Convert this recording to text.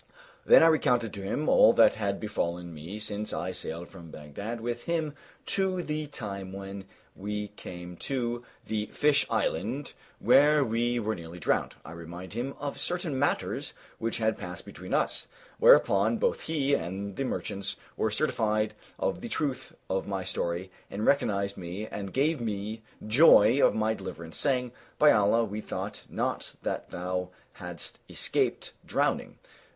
Then I recounted to him all that had befallen me since I sailed from Baghdad with him to the time when we came to the fish island where we were nearly drowned; and I reminded him of certain matters which had passed between us; whereupon both he and the merchants were certified of the truth of my story and recognized me and gave me joy of my deliverance, saying, "By Allah, we thought not that thou hadst escaped drowning!